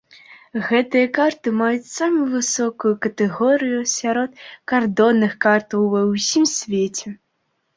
Гэтыя карты маюць самую высокую катэгорыю сярод кардонных картаў ва ўсім свеце.